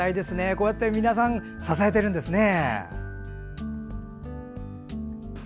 こうやって皆さん支えてるんですね。